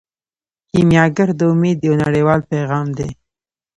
کیمیاګر د امید یو نړیوال پیغام دی.